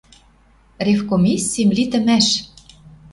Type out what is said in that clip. Ревкомиссим литӹмӓш